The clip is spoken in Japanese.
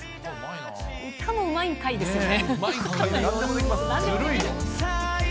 歌もうまいんかいですよね。